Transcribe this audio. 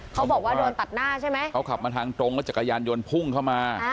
เขาบอกว่าโดนตัดหน้าใช่ไหมเขาขับมาทางตรงแล้วจักรยานยนต์พุ่งเข้ามา